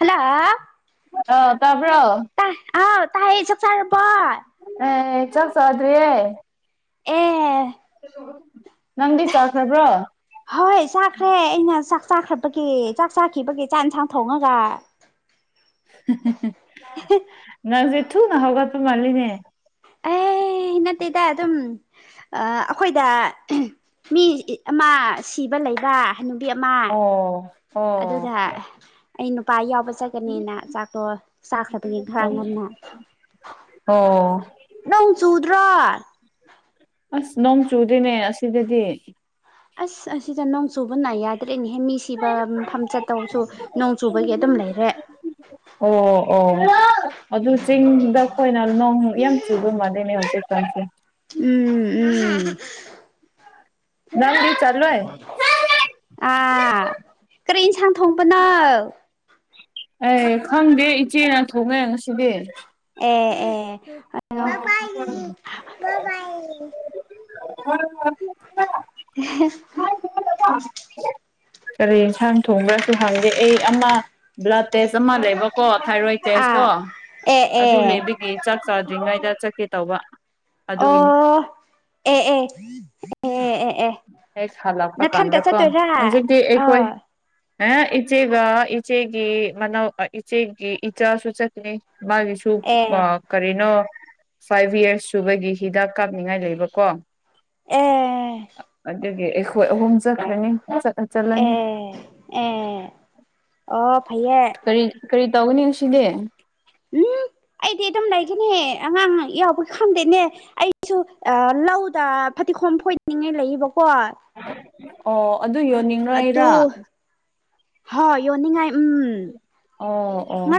Hello ꯑ ꯇꯕ꯭ꯔꯣ ꯇꯥꯏ ꯑꯥꯎ ꯇꯥꯏ ꯆ ꯆꯔꯄ ꯑꯦ ꯆꯠꯁꯗ꯭ꯔꯦ ꯑꯦ ꯎ ꯍꯣꯏ ꯆꯥꯛꯈ꯭ꯔꯦ ꯑꯩꯅ ꯆꯥꯛ ꯆꯥꯈꯠꯄꯒꯤ ꯆꯥꯛ ꯆꯥꯈꯤꯕꯒꯤ ꯆꯥꯛ ꯏꯟꯁꯥꯡ ꯊꯣꯡꯉꯒ ꯅꯪꯁꯦ ꯊꯨꯅ ꯍꯧꯒꯠꯄ ꯃꯥꯜꯂꯤꯅꯦ ꯑ ꯑꯦ ꯅꯠꯇꯦꯗ ꯑꯗꯨꯝ ꯑꯩꯈꯣꯏꯗ ꯃꯤ ꯑꯃ ꯁꯤꯕ ꯂꯩꯕ ꯅꯨꯕꯤ ꯑꯃ ꯑꯣ ꯑꯣ ꯑꯗꯨꯒ ꯑꯩ ꯅꯨꯄꯥ ꯌꯥꯎꯕ ꯆꯥꯆꯒꯅꯤꯅ ꯆꯥꯛꯇꯣ ꯆꯥꯈ꯭ꯔꯕꯒꯦ ꯈꯔ ꯉꯟꯅ ꯑꯣ ꯅꯪ ꯆꯨꯗ꯭ꯔꯣ ꯑꯁ ꯅꯣꯡ ꯆꯨꯗꯦꯅꯦ ꯑꯁꯤꯗꯗꯤ ꯑꯁ ꯑꯁꯤ ꯆꯅꯨ ꯁꯣꯅ ꯌꯥꯗ ꯀꯅꯤꯍꯦ ꯃꯤ ꯁꯤꯕ ꯃꯐꯝ ꯆꯠꯇꯧꯁꯨ ꯅꯣꯡ ꯆꯨꯕꯒꯤ ꯑꯗꯨꯝ ꯂꯩꯔꯦ ꯑꯣ ꯑꯣ ꯑꯗꯨ ꯆꯤꯡꯗ ꯑꯩꯈꯣꯏꯅ ꯅꯣꯡ ꯌꯥꯝ ꯆꯨꯕ ꯃꯥꯩꯅꯦ ꯍꯧꯖꯤꯛ ꯐꯦ ꯎꯝ ꯎꯝ ꯅꯪꯗꯤ ꯆꯠꯂꯣꯏ ꯑꯥ ꯀꯔꯤ ꯏꯟꯁꯥꯡ ꯊꯣꯡꯕꯅꯪ ꯑꯦ ꯈꯪꯗꯦ ꯏꯆꯦꯅ ꯊꯣꯛꯣꯡꯉꯦ ꯉꯁꯤꯗꯤ ꯑꯣꯝ ꯎꯝ ꯑꯣ ꯍ ꯍ [inaudible] [unintelligible] [inaudible] ꯀꯔꯤ ꯊꯥꯡ ꯊꯣꯡꯕ꯭ꯔꯁꯨ ꯍꯪꯗꯦ ꯑꯩ ꯑꯃ ꯕ꯭ꯂꯥꯗ ꯇꯦꯁ ꯑꯃ ꯂꯩꯕꯀꯣ ꯊꯥꯏꯔꯣꯏꯗ ꯇꯦꯁꯇꯣ ꯑꯥ ꯑꯦ ꯑꯗꯨ ꯑꯦ ꯂꯩꯕꯒꯤ ꯆꯥꯛ ꯆꯥꯗ꯭ꯔꯤꯉꯩꯗ ꯆꯠꯀꯦ ꯇꯧꯕ꯫ ꯑꯗꯨꯒꯤꯅꯤ ꯑꯣ ꯑꯦ ꯑꯦ ꯑꯦ ꯑꯦ ꯑꯦ ꯍꯦꯛ ꯍꯜꯂꯛꯄ ꯅꯊꯟꯇ ꯀꯥꯟꯗꯀꯣ ꯆꯠꯇꯣꯏꯔꯥ ꯍꯧꯖꯤꯛꯇꯤ ꯑꯩꯈꯣꯏ ꯑꯣ ꯑꯦ ꯏꯆꯦꯒ ꯏꯆꯦꯒꯤ ꯃꯅꯥꯎ ꯏꯆꯦꯒꯤ ꯏꯆꯥꯁꯨ ꯆꯠꯂꯤ꯫ ꯃꯥꯒꯤꯁꯨꯨ ꯑ ꯑꯦ ꯀꯔꯤꯅꯣ ꯐꯥꯏꯚ ꯌꯦꯔꯁ ꯁꯨꯕꯒꯤ ꯍꯤꯗꯥꯛ ꯀꯥꯞꯅꯤꯡꯉꯥꯏ ꯂꯩꯕꯀꯣ꯫ ꯑꯦ ꯑꯗꯨꯒꯤ ꯑꯩꯈꯣꯏ ꯑꯍꯨꯝ ꯆꯠꯈ꯭ꯔꯅꯤ꯫ ꯆꯠꯂꯅꯤ ꯑꯦ ꯑꯦ ꯑꯣ ꯐꯩꯌꯦ꯫ ꯀꯔꯤ ꯀꯔꯤ ꯇꯧꯒꯅꯤ ꯉꯁꯤꯗꯤ꯫ ꯎꯝ ꯑꯩꯗꯤ ꯑꯗꯨꯝ ꯂꯩꯒꯅꯤ ꯑꯉꯥꯡ ꯌꯥꯎꯕꯒꯤ ꯈꯪꯗꯦꯅꯦ ꯑꯩꯁꯨ ꯂꯧꯗ ꯐꯗꯤ ꯒꫭꯝ ꯐꯣꯏꯅꯤꯡꯉꯥꯏ ꯂꯩꯌꯦꯕꯀꯣ꯫ ꯑꯣ ꯑꯗꯨ ꯑꯗꯨ ꯌꯣꯟꯅꯤꯡꯉꯥꯏꯔꯥ꯫ ꯍꯣꯏ ꯌꯣꯟꯅꯤꯡꯉꯥꯏ ꯎꯝ꯫ ꯑꯣ ꯑꯣ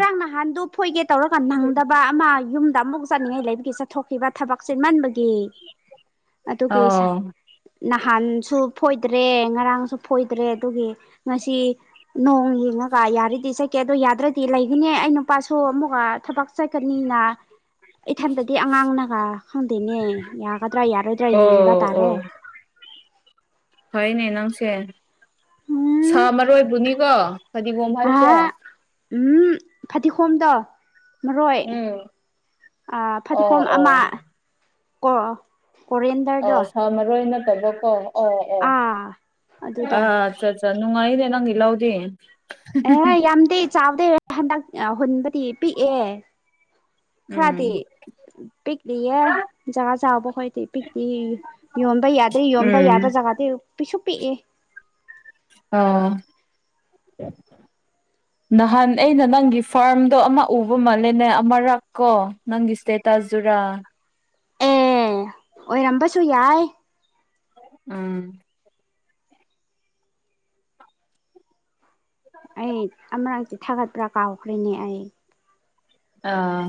ꯐꫭꯏꯒꯦ ꯇꯧꯔꯒ ꯅꯪꯗꯕ ꯑꯃ ꯌꯨꯝꯗ ꯑꯃꯨꯛ ꯆꯠꯅꯤꯡꯉꯥꯏ ꯂꯩꯕꯒꯤ ꯆꯠꯊꯣꯛꯈꯤꯕ ꯊꯕꯛ ꯆꯤꯟꯃꯟꯕꯒꯤ ꯑꯗꯨꯒꯤ ꯑꯣ ꯅꯥꯛ ꯍꯥꯟꯁꯨ ꯐꯣꯏꯗ꯭ꯔꯦ ꯉꯔꯥꯡꯁꯨ ꯐꯣꯏꯗ꯭ꯔꯦ ꯑꯗꯨꯒꯤ ꯉꯁꯤ ꯅꯣꯡ ꯌꯦꯡꯑꯒ ꯌꯥꯔꯤꯗꯤ ꯆꯠꯀꯦ ꯑꯗꯣ ꯌꯥꯗ꯭ꯔꯗꯤ ꯂꯩꯒꯅꯤ ꯑꯩ ꯅꯨꯄꯥꯁꯨ ꯑꯃꯨꯛꯀ ꯊꯕꯛ ꯆꯠꯀꯅꯤꯅ꯫ ꯏꯊꯟꯇꯗꯤ ꯑꯉꯥꯡꯅꯒ ꯈꯪꯗꯦꯅꯦ ꯌꯥꯒꯗ꯭ꯔꯥ ꯌꯥꯔꯣꯏꯗ꯭ꯔꯥ ꯌꯦꯡꯕ ꯑꯣ ꯑꯣ ꯇꯥꯔꯦ꯫ [unintelligible] ꯐꯩꯅꯦ ꯅꯪꯁꯦ ꯁꯥ ꯎꯝ ꯃꯔꯣꯏꯕꯨꯅꯤꯀꯣ꯫ ꯐꯗꯤꯒꫭꯝ ꯍꯥꯏꯁꯦ꯫ ꯑꯥ ꯎꯝ ꯐꯗꯤꯒꯣꯝꯗꯣ ꯃꯔꯣꯏ ꯎꯝ ꯑ ꯑꯣ ꯐꯗꯤꯒꯣꯝ ꯑꯃꯥ ꯑꯣ ꯀꯣ ꯑꯣ ꯀꯣꯔꯦꯟꯗꯔꯗꯣ ꯁꯥ ꯃꯔꯣꯏ ꯅꯠꯇꯕꯀꯣ ꯑꯣ ꯑꯣ ꯑꯥ ꯑꯗꯨꯗꯣ ꯑꯥꯆ ꯪꯆ ꯅꯨꯡꯉꯥꯏꯅꯦ ꯅꯪꯒꯤ ꯂꯧꯗꯤ꯫ ꯑꯦ ꯌꯥꯝꯗꯤ ꯆꯥꯎꯗꯦ ꯍꯟꯗꯛ ꯍꯨꯟꯕꯗꯤ ꯄꯤꯛꯑꯦ꯫ ꯈꯔꯗꯤ ꯎꯝ ꯄꯤꯛꯂꯤꯌꯦ ꯖꯒꯥ ꯆꯥꯎꯕ ꯈꯣꯏꯗꯤ ꯄꯤꯛꯂꯤ ꯌꯣꯟꯕ ꯌꯥꯗ꯭ꯔꯤꯌꯣꯟꯕ ꯎꯝ ꯌꯥꯕ ꯖꯒꯥꯗꯤ ꯄꯤꯛꯁꯨ ꯄꯤꯛꯑꯦ꯫ ꯑꯥ ꯅꯍꯥꯟ ꯑꯩꯅ ꯅꯪꯒꯤ ꯐꯥꯔꯝꯗꯣ ꯑꯃ ꯎꯕ ꯃꯥꯜꯂꯦꯅꯦ ꯑꯃꯔꯛ ꯀꯣ ꯅꯪꯒꯤ ꯁ꯭ꯇꯦꯠ ꯇꯖꯨꯔꯥ ꯑꯦ ꯑꯣꯏꯔꯝꯕꯁꯨ ꯌꯥꯏ꯫ ꯎꯝ ꯑꯩ ꯑꯃꯔꯛꯇꯤ ꯊꯥꯒꯠꯄ꯭ꯔꯥ ꯀꯥꯎꯈ꯭꯭ꯔꯦꯅꯦ ꯑꯩ꯫ ꯑꯥ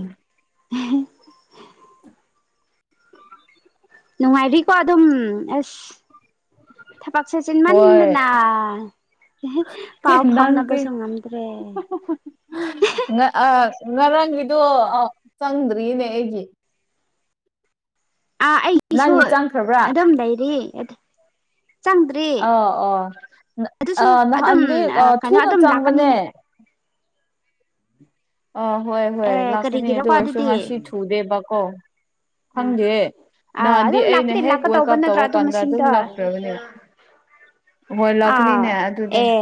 [unintelligible] ꯅꯨꯡꯉꯥꯏꯔꯤꯀꯣ ꯑꯗꯨꯝ ꯑꯦꯁ ꯊꯕꯛꯁꯦ ꯍꯣꯏ ꯆꯤꯟꯃꯟꯗꯅꯥ ꯅꯪꯗꯤ ꯉꯝꯗ꯭ꯔꯦ ꯑꯍꯍꯍ ꯉ ꯑ ꯉꯔ ꯔꯥꯡꯒꯤꯗꯨ ꯆꯪꯗ꯭ꯔꯤꯅꯦ ꯑꯩꯒꯤ꯫ ꯑꯥ ꯑꯩꯒꯤꯁꯨ ꯅꯪꯒꯤ ꯆꯪꯈ꯭ꯔꯕ꯭ꯔꯥ ꯑꯗꯨꯝ ꯂꯩꯔꯤ꯫ ꯆꯪꯗ꯭ꯔꯤ ꯑꯥ ꯑꯣ ꯑꯗꯨꯁꯨ ꯑꯥ ꯑ ꯑꯗꯨꯝ ꯅꯍꯥꯟꯗꯤ ꯀꯩꯅꯣ ꯊꯨꯅ ꯑꯗꯨꯝ ꯂꯥꯛꯀꯅꯤꯅꯦ꯫ ꯆꯪꯕꯅꯦ [unintelligible] ꯑꫭ ꯍꯣꯏ-ꯍꯣꯏ ꯑꯦ ꯂꯥꯛꯀꯅꯤ ꯑꯗꯨ ꯀꯔꯤꯒꯤꯔꯀꯣ ꯑꯣꯏꯔꯁꯨ ꯑꯗꯨꯗꯤ ꯉꯁꯤ ꯊꯨꯗꯦꯕꯀꯣ ꯑꯥ ꯈꯪꯗꯦ꯫ ꯑꯥ ꯅꯍꯥꯟꯗꯤ ꯑꯗꯨꯝ ꯑꯩꯅ ꯂꯥꯛꯄꯗꯤ ꯍꯦꯛ ꯂꯥꯛꯀꯗꯧꯕ ꯋꯦꯀꯑꯞ ꯅꯠꯇ꯭ꯔꯥ ꯇꯧꯕ ꯑꯗꯨ ꯀꯥꯟꯗ ꯑꯗꯨꯝ ꯃꯁꯤꯡꯗꯣ ꯂꯥꯛꯈ꯭ꯔꯕꯅꯦ꯫ ꯍꯣꯏ ꯑꯥ ꯂꯥꯛꯀꯅꯤꯅꯦ ꯑꯗꯨꯅꯦ ꯑꯦ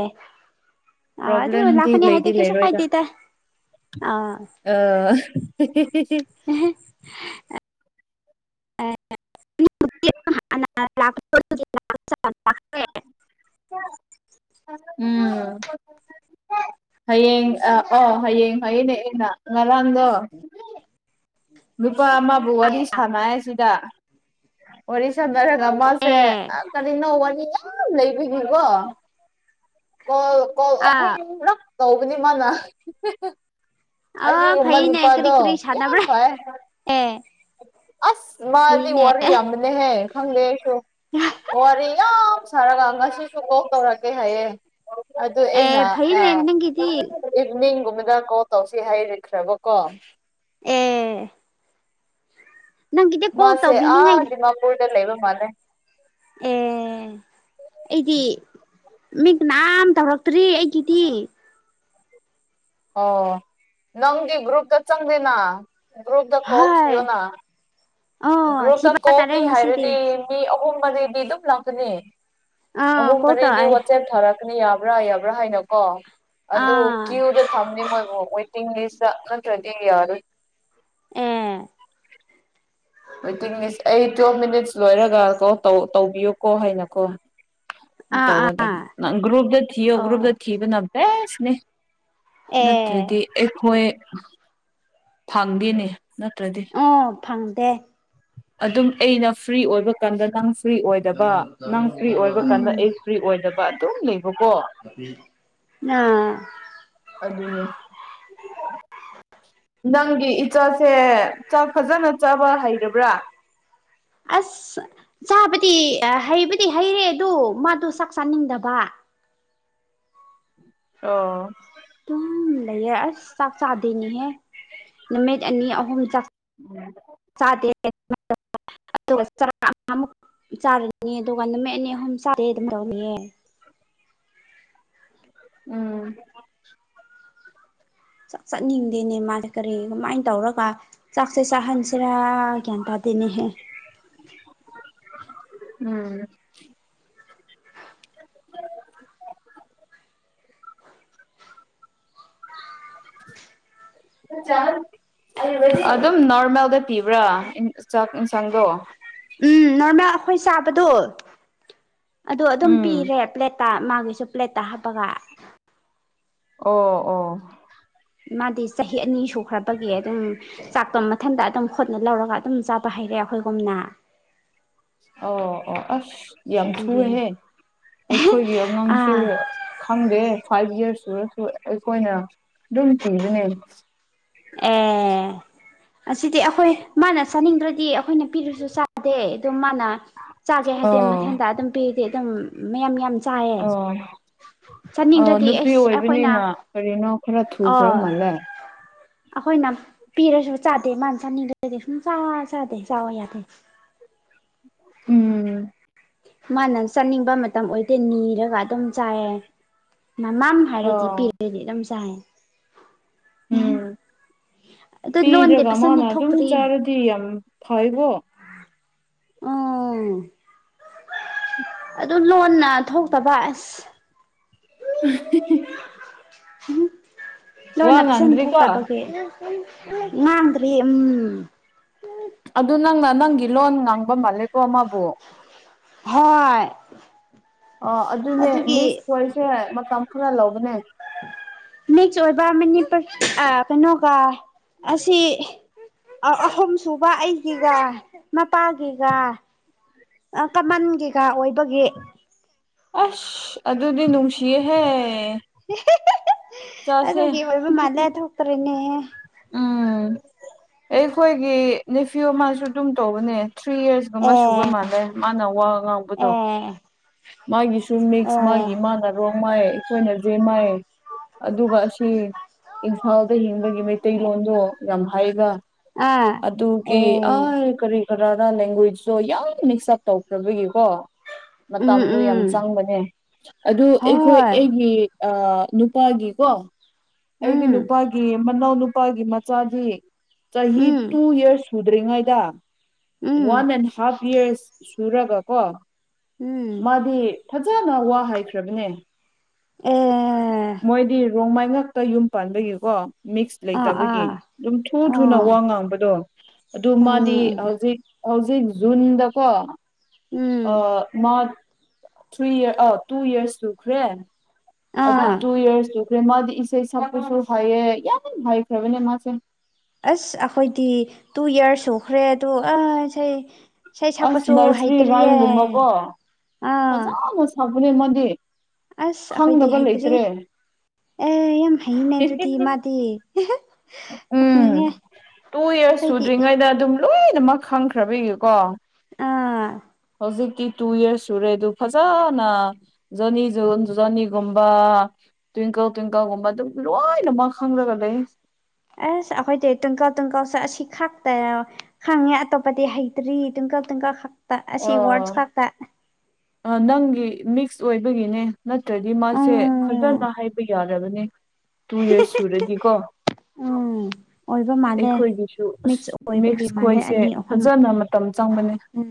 ꯑꯥ ꯑꯗꯨ ꯄ꯭ꯔꯣꯕ꯭ꯂꯦꯝꯗꯤ ꯂꯥꯛꯀꯅꯤ ꯂꯩꯗꯤ ꯍꯥꯏꯗꯤ ꯀꯩꯁꯨ ꯂꯩꯔꯣꯏꯗ ꯀꯥꯏꯗꯦꯗ ꯑꯥ ꯑ [unintelligible] ꯑ [unintelligible] ꯎꯝ ꯍꯌꯦꯡ ꯑ ꯑꯣ ꯍꯌꯦꯡ ꯍꯌꯦꯡꯅꯦ ꯑꯩꯅ ꯉꯔꯥꯡꯗꯣ ꯅꯨꯄꯥ ꯑꯃꯕꯨ ꯋꯥꯔꯤ ꯁꯥꯟꯅ ꯁꯤꯗ ꯋꯥꯔꯤ ꯁꯅ ꯅꯔꯔꯒꯃꯁꯦ ꯑꯦ ꯀꯔꯤ ꯅꯣ ꯋꯥꯅꯤ ꯌꯥꯝ ꯂꯩꯕꯒꯤꯀꯣ ꯀꫭꯜ ꯀꫭꯜ ꯑꯍꯨꯝ ꯑꯥ ꯂꯛ ꯇꯧꯕꯅꯤ ꯃꯥꯅ ꯑ ꯑꯁꯨ ꯃꯥꯏ ꯐꯩꯅꯦ ꯀꯔꯤ ꯅꯨꯄꯥꯗꯣ ꯀꯔꯤ ꯌꯥꯝ ꯁꯥꯟꯅꯕ꯭ꯔꯥ ꯍꯣꯏ [unintelligible] ꯑꯦ ꯑꯁ ꯃꯥꯗꯤ ꯐꯩꯅꯦ ꯋꯥꯔꯤ ꯌꯥꯝꯕꯅ‌ꯦꯍꯦ ꯈꯪꯗꯦ ꯑꯩꯁꯨ ꯋꯥꯔꯤ ꯌꯥꯝ ꯁꯧꯔꯒ ꯉꯁꯤꯁꯨ ꯀꯣꯜ ꯇꯧꯔꯛꯀ‌ꯦ ꯍꯥꯏꯌꯦ ꯑꯗꯨ ꯑꯦ ꯑꯩꯅ ꯐꯩꯅꯦ ꯑꯥ ꯅꯪꯒꯤꯗꯤ ꯏꯕꯤ ꯅꯤꯡ ꯒꯨꯝꯕ ꯀꯣꯜ ꯇꯧꯁꯤ ꯍꯥꯏꯔꯈ꯭ꯔꯕ ꯀꯣ ꯑꯦ ꯅꯪꯒꯤꯗꯤ ꯀꯣꯜ ꯃꯥꯁꯦ ꯇꯧꯕꯤꯅꯤꯡꯉꯥꯏ ꯑꯥ ꯗꯤꯃꯥꯄꯨꯔꯗ ꯂꯩꯕ ꯃꯥꯜꯂ‌ꯦ ꯎꯝ ꯑꯩꯗꯤ ꯃꯤ ꯀꯅꯥꯝ ꯇꯧꯔꯛꯇ꯭ꯔꯤ ꯑꯩꯒꯤꯗꯤ ꯑꯣ ꯅꯪꯗꯤ ꯒꯔꯞꯇ ꯆꯪꯗ‌ꯦꯅꯥ ꯒ꯭ꯔꯨꯨꯞ ꯗ ꯀꯣꯠ ꯍꯣꯏ ꯊꯤꯌꯣꯅꯥ ꯑꯣ ꯒ꯭ꯔꯨꯞꯇ ꯊꯤꯕ ꯀꯣꯜ ꯇꯥꯔꯦ ꯃꯤ ꯉꯁꯤꯗꯤ ꯍꯥꯏꯔꯗꯤ ꯃꯤ ꯑꯍꯨꯝ ꯃꯔꯤꯗꯤ ꯑꯗꯨꯝ ꯂꯥꯛꯀꯅꯤ ꯑꯥ ꯑꯍꯨꯝ ꯀꯣꯜ ꯃꯔꯤꯗ ꯇꯧꯔꯛꯑꯦ ꯋꯥꯆꯦꯞ ꯊꯥꯔꯛꯒ ꯑꯩꯅ ꯌꯥꯕ꯭ꯔꯥ ꯌꯥꯕ꯭ꯔꯥ ꯍꯥꯏꯅꯀꯣ ꯑꯗꯨ ꯑꯥ ꯀ꯭ꯌꯨꯗ ꯊꯝꯅꯦ ꯃꯣꯏꯕꯨ ꯇꯤꯝ ꯂꯤꯁꯇꯥ ꯅꯠꯇꯔꯗꯤ ꯌꯥꯔꯣꯏ ꯑꯦ ꯋꯦꯇꯤꯡ ꯂꯤꯁ ꯑꯩ ꯇꯨꯋꯦꯜꯞ ꯃꯤꯅꯤꯠꯁ ꯂꯣꯏꯔꯒ ꯀꯣꯜ ꯇꯧꯕꯤꯌꯨꯀꯣ ꯍꯥꯏꯅꯀꯣ ꯑꯥ ꯑꯥ ꯇꯧꯒꯗꯝꯅꯤ ꯅꯪ ꯒ꯭ꯔꯨꯞꯇ ꯊꯤꯌꫭ ꯒ꯭ꯔꯨꯞꯇ ꯑꯣ ꯊꯤꯕꯅꯥ ꯕꯁꯅꯤ ꯑꯦ ꯅꯠꯇ꯭ꯔꯗꯤ ꯑꯩꯈꯣꯏ ꯐꯪꯗꯦꯅꯦ ꯅꯠꯇ꯭ꯔꯗꯤ ꯑꯥ ꯐꯪꯗꯦ ꯑꯗꯨꯝ ꯑꯩꯅ ꯐ꯭ꯔꯤ ꯑꯣꯏꯕ ꯀꯥꯟꯗ ꯅꯪꯁ ꯐ꯭ꯔꯤ ꯑꯣꯏꯗꯕ ꯅꯪ ꯐ꯭ꯔꯤ ꯑꯣꯏꯕ ꯀꯥꯟꯗ ꯎꯝ ꯑꯩ ꯐ꯭ꯔꯤ ꯑꯣꯏꯗꯕ ꯑꯗꯨꯝ ꯂꯩꯕꯀꯣ ꯑꯥ ꯑꯗꯨ ꯅꯪꯒꯤ ꯏꯆꯥꯁꯦ ꯆꯥꯛ ꯐꯖꯅ ꯆꯥꯕ ꯍꯩꯔꯕ꯭ꯔꯥ ꯑꯁ ꯆꯥꯕꯗꯤ ꯍꯩꯕꯗꯤ ꯍꯩꯔꯦ ꯑꯗꯨ ꯃꯥꯗꯨ ꯆꯥꯛ ꯆꯥꯅꯤꯡꯗꯕ ꯑꯣ ꯑꯗꯨꯝ ꯂꯩꯌꯦ ꯑꯁ ꯆꯥꯛ ꯆꯥꯗꯣꯏꯅꯤꯍꯦ ꯅꯨꯃꯤꯠ ꯑꯅꯤ ꯑꯍꯨꯝ ꯆꯥꯛ ꯎꯝ ꯑꯗꯨꯒꯨꯛ ꯆꯥꯔꯅꯤ [unintelligible] ꯗꯨꯀꯥꯟ ꯅꯨꯝ ꯃ ꯑꯦꯅꯤ ꯑꯍꯨꯝ ꯆꯥꯗꯦ ꯑꯗꯨꯝ ꯇꯧꯅꯤꯑ [unintelligible] ꯎꯝ ꯆꯥꯛ ꯆꯥꯅꯤꯡꯗꯦꯅꯦ ꯃꯥꯁ ꯀꯔꯤ ꯀꯃꯥꯏꯅ ꯇꯧꯔꯒ ꯆꯥꯛꯁꯦ ꯆꯍꯟꯁꯤꯔ ꯒꯥꯌꯟ ꯇꯥꯗꯅꯤ ꯍꯦ ꯎꯝ [inaudible] ꯆꯥꯟ ꯑꯗꯨꯝ ꯅꯣꯔꯃꯦꯜꯗ ꯄꯤꯕ꯭ꯔꯥ ꯆꯥꯛ ꯌꯦꯟꯁꯥꯡꯗꯣ ꯎꯝ ꯅꯣꯔꯃꯦꯜ ꯑꯩꯈꯣꯏ ꯆꯥꯕꯗꯣ ꯑꯗꯣ ꯑꯗꯨꯝ ꯎꯝ ꯄꯤꯔꯦ ꯄ꯭ꯂꯦꯠꯇ ꯃꯥꯒꯤꯁꯨ ꯄ꯭ꯂꯦꯠꯇ ꯍꯥꯞꯄꯒ ꯑꯣ ꯑꯣ ꯃꯥꯗꯤ ꯆꯍꯤ ꯑꯅꯤ ꯁꯨꯈ꯭ꯔꯕꯒꯤ ꯑꯗꯨꯝ ꯆꯥꯛꯇꯣ ꯃꯊꯟꯇ ꯑꯗꯨꯝ ꯈꯨꯠꯅ ꯂꯧꯔꯒ ꯑꯗꯨꯝ ꯆꯥꯕ ꯍꯩꯔꯦ ꯑꯩꯈꯣꯏꯒꯨꯝꯅ ꯑꯣ ꯑꯣ ꯑꯁ ꯑꯗꯨꯒꯤ ꯌꯥꯝꯊꯨꯋꯦꯍꯦ ꯑꯩꯈꯣꯏꯒꯤ ꯑꯉꯥꯡꯁꯦ ꯑꯥ ꯈꯪꯗꯦ ꯐꯥꯏꯚ ꯌ꯭ꯔ ꯁꯨꯔꯁꯨ ꯑꯩꯈꯣꯏꯅ ꯑꯗꯨꯝ ꯄꯤꯕꯅꯦ ꯑ ꯑꯁꯤꯗꯤ ꯑꯩꯈꯣꯏ ꯃꯥꯅ ꯆꯥꯅꯤꯡꯗ꯭ꯔꯗꯤ ꯑꯩꯈꯣꯏꯅ ꯄꯤꯔꯁꯨ ꯆꯥꯗꯦ ꯑꯗꯨꯝ ꯃꯥꯅ ꯆꯥꯒꯦ ꯑꯣ ꯍꯥꯏꯗꯤ ꯃꯊꯟꯇ ꯑꯗꯨꯝ ꯄꯤꯔꯗꯤ ꯃꯌꯥꯝ- ꯃꯌꯥꯝ ꯑꯣ ꯑ ꯅꯨꯄꯤ ꯑꯩꯁ ꯑꯩꯈꯣꯏꯅ ꯑꯣꯏꯕꯅꯤꯅ ꯀꯔꯤꯅꯣ ꯈꯔ ꯊꯨꯈ꯭ꯔ ꯑꯥ ꯃꯥꯜꯂꯦ ꯑꯩꯈꯣꯏꯅ ꯄꯤꯔꯁꯨ ꯆꯥꯗꯦ ꯃꯥꯅ ꯆꯥꯅꯤꯡꯕꯗꯗꯤ ꯁꯨꯡꯆꯥ ꯆꯥꯗꯦ ꯆꯥꯎꯕ ꯌꯥꯗꯦ [unintelligible] ꯎꯝ ꯃꯥꯅ ꯆꯥꯅꯤꯡꯕ ꯃꯇꯝ ꯑꯣꯏꯗꯦ ꯅꯤꯔꯒ ꯑꯗꯨꯝ ꯆꯥꯏꯌꯦ ꯃꯃꯝ ꯍꯥꯏꯔꯗꯤ ꯑꯣ ꯄꯤꯔꯗꯤ ꯑꯗꯨꯝ ꯆꯥꯏ ꯎ [unintelligible] ꯎꯝ ꯄꯤꯗ꯭ꯔꯒ ꯃꯥꯅ ꯑꯗꯨꯝ ꯆꯥꯔꯗꯤ ꯌꯥꯝ ꯐꯩꯀꯣ ꯑꯣ ꯑꯗꯨꯅꯣꯟꯅ ꯑ ꯊꯣꯛꯇꯕ ꯑꯁ [unintelligible] ꯎꯝ ꯋꯥ ꯂꯣꯟꯅ ꯐꯖꯟ ꯉꯥꯡꯗ꯭ꯔꯤꯀꯣ ꯊꯣꯛꯇꯕꯒꯤ ꯉꯥꯡꯗ꯭ꯔꯤ ꯎꯝ ꯑꯗꯨ ꯅꯪꯅ- ꯅꯪꯒꯤ ꯂꯣꯟ ꯉꯥꯡꯕ ꯃꯥꯜꯂꯦꯀꯣ ꯃꯥꯕꯨ ꯍꯣꯏ ꯑ ꯑꯗꯨꯅꯦ ꯑꯗꯨꯒꯤ ꯃꯤꯁ ꯈꯣꯏꯁꯦ ꯃꯇꯝ ꯈꯔ ꯂꯧꯕꯅꯦ ꯃꯤꯁ ꯑꯣꯏꯕ ꯃꯅꯤꯄꯨꯔ ꯑ ꯀꯩꯅꯣꯒ ꯑꯁꯤ ꯑꯍꯨꯝ ꯁꯨꯕ ꯑꯩꯒꯤꯒ ꯃꯄꯥꯒꯤꯒ ꯑ ꯀꯃꯟꯒꯤꯒ ꯑꯣꯏꯕꯒꯤ ꯑꯁ ꯑꯗꯨꯗꯤ ꯅꯨꯡꯁꯤꯌꯦꯍꯦ ꯍ [unintelligible] ꯆꯥꯁꯦ ꯑꯗꯨꯒꯤ ꯑꯣꯏꯕ ꯃꯥꯂꯦꯗ ꯊꯣꯛꯇ꯭ꯔꯦꯅꯦ ꯑꯦ ꯑꯩꯈꯣꯏꯒꯤ ꯅꯦꯐꯤꯌꯨ ꯑꯃꯁꯨ ꯑꯗꯨꯝ ꯇꯧꯕꯅꯦ ꯊ꯭ꯔꯤ ꯌ꯭ꯔꯁꯒꯨꯝꯕ ꯁꯨꯕ ꯑꯦ ꯃꯥꯜꯂꯦ ꯃꯥꯅ ꯋꯥ ꯉꯥꯡꯕꯗꯣ ꯑꯦ ꯃꯥꯒꯤꯁꯨ ꯃꯤꯛꯁ ꯑꯦ ꯃꯥꯒꯤ ꯃꯥꯅ ꯔꯣ ꯃꯥꯏ ꯑꯩꯈꯣꯏꯅ ꯖꯦꯡꯃꯥꯏ ꯑꯗꯨꯒ ꯑꯁꯤ ꯏꯝꯐꯥꯜꯗ ꯍꯤꯡꯕꯒꯤ ꯃꯩ ꯃꯩꯇꯩꯂꯣꯟꯗꯣ ꯌꯥꯝ ꯍꯥꯏꯕ ꯑꯥ ꯑꯗꯨꯒꯤ ꯑꯦ ꯑ ꯀꯔꯤ ꯀꯅꯥꯗ ꯂꯦꯡꯒ꯭ꯋꯦꯖꯁꯨ ꯌꯥꯝ ꯃꯤꯛꯁ ꯑꯞ ꯇꯧꯈ꯭ꯔꯕꯒꯤꯀꯣ ꯎꯝ ꯃꯇꯝꯗꯣ ꯌꯥꯝ ꯎꯝ ꯆꯪꯕꯅꯦ ꯑꯗꯨ ꯑꯩꯈꯣꯏ ꯍꯣꯏ ꯑꯩꯒꯤ ꯑ ꯅꯨꯞ ꯅꯨꯄꯥꯒꯤꯀꯣ ꯑꯩꯒꯤ ꯎꯝ ꯅꯨꯄꯥꯒꯤ ꯃꯅꯥꯎ ꯅꯨꯄꯥꯒꯤ ꯃꯆꯥꯗꯤ ꯆꯍꯤ ꯎꯝ ꯇꯨ ꯌ꯭ꯔꯁ ꯁꯨꯗ꯭ꯔꯤꯉꯩꯗ ꯎꯝ ꯋꯥꯟ ꯑꯦꯟ ꯍꯥꯐ ꯌ꯭ꯔꯁ ꯁꯨꯔꯒꯀꯣ ꯎꯝ ꯃꯥꯗꯤ ꯐꯖꯅ ꯋꯥ ꯍꯥꯏꯈ꯭ꯔꯕꯅꯦ ꯑꯦ ꯃꯣꯏꯗꯤ ꯔꯣꯡꯃꯩ ꯉꯥꯛꯇ ꯌꯨꯝ ꯄꯥꯟꯕꯒꯤꯀꯣ ꯃꯤꯛꯁ ꯑꯥ ꯂꯩꯇꯕꯒꯤ ꯑꯥ ꯑꯗꯨꯝ ꯊꯨ ꯊꯨꯅ ꯑꯥ ꯋꯥ ꯉꯥꯡꯕꯗꯣ ꯑꯗꯨ ꯃꯥꯗꯤ ꯎꯝ ꯍꯧꯖꯤꯛ ꯍꯧꯖꯤꯛ ꯖꯨꯟꯗꯀꯣ ꯎꯝ ꯑ ꯃ ꯊ꯭ꯔꯤ ꯏꯔꯁ ꯑꯥꯎ ꯇꯨ ꯏꯔꯁ ꯆꯨꯈ꯭ꯔꯦ ꯑꯗꯨ ꯑꯥ ꯇꯨ ꯏꯔꯁ ꯇꯨ ꯃꯥꯗꯤ ꯏꯁꯩ ꯁꯛꯄꯁꯨ ꯍꯩꯌꯦ ꯌꯥꯝ ꯍꯥꯏꯈ꯭ꯔꯕꯅꯦ ꯃꯥꯁꯦ ꯑꯁ ꯑꯩꯈꯣꯏꯗꯤ ꯇꯨ ꯌ꯭ꯔꯁ ꯁꯨꯈ꯭ꯔꯦ ꯑꯗꯨ ꯑ ꯏꯁꯩ ꯏꯁꯩ ꯑꯁ ꯁꯛꯄꯁꯨ ꯅꯔꯁꯔꯤ ꯍꯩꯇ꯭ꯔꯤꯌꯦ ꯔꯥꯏꯝꯁ ꯒꯨꯝꯕꯀꯣ ꯑꯥ ꯃꯖꯅ ꯁꯛꯄꯅꯦ ꯃꯥꯗꯤ ꯑꯁ ꯑꯩꯈꯣꯏꯗꯤ ꯈꯪꯗꯕ ꯍꯥꯇꯔꯤ ꯂꯩꯇ꯭ꯔꯦ ꯑꯦ ꯌꯥꯝ ꯍꯩꯅꯦ ꯑꯗꯨꯗꯤ ꯃꯥꯗꯤ ꯇꯞꯅꯤꯡꯉꯦ ꯎꯝ ꯇꯨ ꯁꯨꯗ꯭ꯔꯤꯉꯩꯗ ꯑꯗꯨꯝ ꯂꯣꯏꯅꯃꯛ ꯈꯪꯈ꯭ꯔꯕ ꯏꯀꯣ ꯑꯥ ꯍꯧꯖꯤꯛꯀꯤ ꯇꯨ ꯌꯔꯁ ꯁꯨꯔꯦꯗꯨ ꯐꯖꯅ ꯖꯔꯅꯤꯁꯨ ꯖꯔꯅꯤꯒꯨꯝꯕ ꯇ꯭ꯋꯤꯡꯀꯜ ꯇ꯭ꯋꯤꯡꯀꯜꯀꯒꯨꯝꯕꯗ ꯑꯗꯨ ꯂꯋꯥꯥꯏꯅꯃ ꯑꯦꯁ ꯑꯩꯈꯣꯏꯗꯤ ꯇꯨꯨꯡꯀꯥꯎ ꯇꯨꯡꯀꯥꯎ ꯆ ꯁꯤ ꯈꯥꯛꯛꯇ ꯈꯪꯉꯦ ꯑꯇꯣꯞꯄꯗꯤ ꯍꯩꯇ꯭ꯔꯤ ꯇꯨꯡꯀꯛ ꯇꯨꯡꯀꯛ ꯑꯁꯤ ꯋꯥꯠꯁ ꯑ ꯀꯥꯀ ꯅꯪꯒꯤ ꯃꯤꯛꯁ ꯑꯣꯏꯕꯒꯤꯅꯦ ꯅꯠꯇ꯭ꯔꯗꯤ ꯃꯥꯁꯦ ꯎꯝ ꯐꯖꯅ ꯍꯥꯏꯕ ꯌꯥꯔꯦ ꯈ ꯇꯨ ꯏꯔꯁ ꯁꯨꯔꯗꯤꯀꯣ ꯎꯝ ꯑꯣꯏꯕ ꯃꯥꯜꯂꯦ ꯑꯩꯈꯣꯏꯒꯤꯁꯨ ꯃꯤꯛꯁ ꯑꯁ ꯑꯣꯏꯕꯒꯤ ꯃꯤꯛꯁ ꯃꯥꯜꯂꯦ ꯈꯣꯏꯁꯦ ꯑꯅꯤ ꯑꯍꯨꯝ ꯐꯖꯅ ꯃꯇꯝ ꯆꯪꯕꯅꯦ ꯎꯝ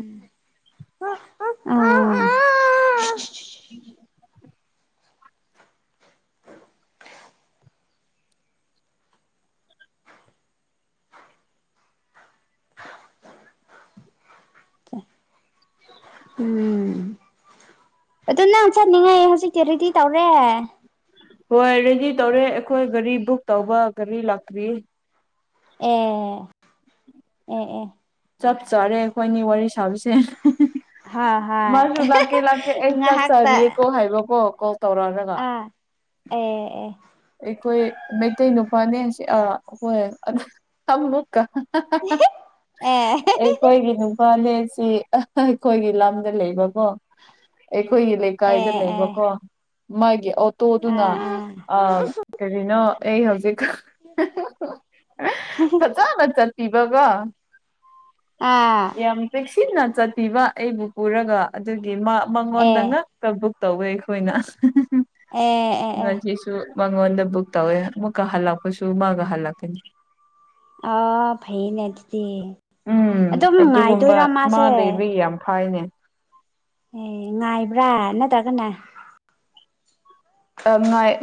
ꯑ ꯎꯝ ꯑꯗꯨ ꯅꯪ ꯆꯠꯅꯤꯡꯉꯥꯏ ꯍꯧꯖꯤꯛꯀꯤ ꯔꯦꯗꯤ ꯇꯧꯔꯦ ꯍꯣꯏ ꯔꯦꯗꯤ ꯇꯧꯔꯦ ꯑꯩꯈꯣꯏ ꯒꯥꯔꯤ ꯕꯨꯛ ꯇꯧꯕ ꯒꯥꯔꯤ ꯂꯥꯛꯇ꯭ꯔꯤ ꯑꯦ ꯑꯦ ꯑꯦ ꯆꯞ ꯆꯥꯔꯦ ꯑꯩꯈꯣꯏꯅꯤ ꯋꯥꯔꯤ ꯁꯥꯕꯁꯦ ꯍꯣꯏ ꯃꯥꯁꯨ ꯍꯣꯏ ꯂꯥꯛꯀꯦ ꯂꯥꯛꯀꯦ ꯑꯩ ꯉꯥꯏꯍꯥꯛꯇ ꯆꯥꯛꯆꯔꯤꯌꯦꯀꯣ ꯍꯥꯏꯕꯀꯣ ꯀꯣꯜ ꯇꯧꯔꯛꯂꯒ ꯑꯥ ꯑꯦ ꯑꯦ ꯑꯩꯈꯣꯏ ꯃꯩꯇꯩ ꯅꯨꯄꯥꯅꯦꯁꯥ ꯍꯣꯏ ꯑꯃꯨꯛꯀ ꯑꯦ ꯑꯩꯈꯣꯏꯒꯤ ꯅꯨꯄꯥꯅꯦ ꯁꯤ ꯑꯩꯈꯣꯏꯒꯤ ꯂꯝꯗ ꯂꯩꯕꯀꯣ ꯑꯩꯈꯣꯏꯒꯤ ꯂꯩꯀꯥꯏꯗ ꯑꯦ ꯂꯩꯕꯀꯣ ꯃꯥꯒꯤ ꯑꯣꯇꯣꯗꯨꯅ ꯀꯔꯤꯅꯣ ꯑꯩ ꯍꯧꯖꯤꯛ ꯐꯖꯅ ꯕꯒ ꯌꯥꯝꯄꯦꯁꯤ ꯅ ꯆꯠꯄꯤꯕ ꯑꯩꯕꯨ ꯄꯨꯔꯒ ꯑꯗꯨꯒꯤ ꯃꯉꯣꯟꯗ ꯉꯥꯛꯀ ꯕꯨꯛ ꯇꯧꯋꯦ ꯑꯩꯈꯣꯏꯅ ꯎꯝ ꯎꯝ ꯎꯝ ꯃꯪꯣꯟꯟ ꯕꯨꯛ ꯇꯧꯋꯦ ꯃꯀ ꯍꯜꯂ ꯍꯥꯛꯄꯣꯏꯁꯨꯨ ꯃꯥꯒ ꯍꯜꯂꯀꯅꯤ ꯑ ꯐꯩ ꯅ ꯑꯗꯨꯗꯤ ꯎꯝ ꯑꯗꯨꯝ ꯑꯗꯨꯒꯨꯝꯕ ꯉꯥꯏꯗꯣꯏꯔꯥ ꯃꯥꯁꯦ ꯃꯥ ꯂꯩꯕ ꯌꯥꯝ ꯐꯥꯏꯅꯦ ꯑꯦ ꯉꯥꯏꯕ꯭ꯔꯥ ꯅꯠꯇ꯭ꯔꯒꯅ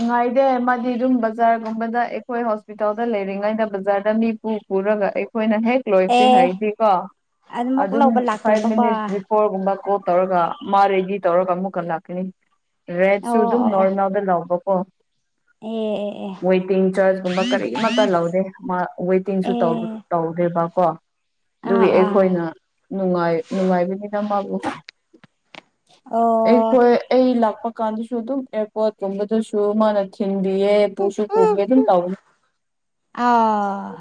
ꯉꯥꯏꯗꯦ ꯃꯥꯗꯤ ꯑꯗꯨꯝ ꯕꯖꯥꯔꯒꯨꯝꯕꯗ ꯑꯩꯈꯣꯏ ꯍꯣꯁꯄꯤꯇꯥꯜꯗ ꯂꯩꯔꯤꯉꯩꯗ ꯕꯖꯥꯔꯗ ꯑꯅꯤꯄ ꯄꯨ ꯄꯨꯔꯒ ꯑꯩ ꯑꯩꯈꯣꯏꯅ ꯍꯦꯛ ꯂꯣꯏꯁꯤ ꯑꯦ ꯍꯥꯏꯩꯗꯤꯀꯣ ꯑꯗꯨꯃꯨꯛ ꯑꯗꯨꯝ ꯂꯧꯕ ꯐꯥꯏꯚ ꯂꯥꯛꯇꯣꯏꯕꯀꯣ ꯃꯤꯅꯤꯠꯁ ꯕꯤꯐꯣꯔꯒꯨꯝꯕ ꯀꯣ ꯇꯧꯔꯒ ꯃꯥ ꯔꯦꯗꯤ ꯇꯧꯔꯒ ꯑꯃꯨꯛꯀ ꯂꯥꯛꯀꯅꯤ ꯔꯦꯠꯁꯨ ꯑꯣ ꯑꯗꯨꯝ ꯑꯣ ꯑꯣ ꯅꯣꯔꯃꯦꯜꯗ ꯂꯧꯕꯀꯣ ꯑꯦ ꯑꯦ ꯑꯦ ꯋꯦꯇꯤꯡ ꯆꯥꯔꯖꯀꯨꯝꯕ ꯀꯔꯤ ꯑꯃꯠꯇ ꯂꯧꯗꯦ ꯋꯦꯇꯤꯡꯁꯨ ꯑꯦ ꯇꯧꯗ꯭ꯦꯔꯤꯕ ꯀꯣ ꯑꯥ ꯑꯗꯨꯒꯤ ꯑꯥ ꯑꯩꯈꯣꯏꯅꯅꯨꯡꯉꯥꯏ ꯅꯨꯡꯉꯥꯏꯕꯅꯤꯅ ꯃꯥꯕꯨ ꯑꯣ ꯑꯩꯈꯣꯏ ꯑꯩ ꯂꯥꯛꯄ ꯀꯥꯟꯗꯁꯨ ꯑꯗꯨꯝ ꯑꯦꯌꯥꯔꯄꯣꯔꯠꯀꯨꯝꯕꯗꯁꯨ ꯃꯥꯅ ꯊꯤꯟ ꯌꯦ ꯄꯨꯁ ꯄꯨꯕꯤ ꯑꯗꯨ ꯇꯥꯎ ꯑꯥ